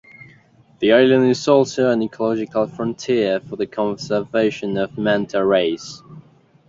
The island is also an "ecological frontier" for the conservation of manta rays.